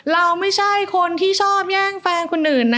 เราไม่ใช่คนที่ชอบแย่งแฟนคนอื่นนะ